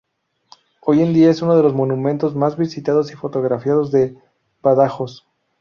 Hoy en día es uno de los monumentos más visitados y fotografiados de Badajoz.